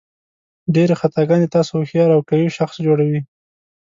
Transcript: ډېرې خطاګانې تاسو هوښیار او قوي شخص جوړوي.